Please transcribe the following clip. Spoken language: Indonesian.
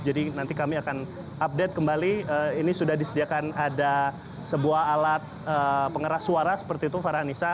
jadi nanti kami akan update kembali ini sudah disediakan ada sebuah alat pengeras suara seperti itu farhanisa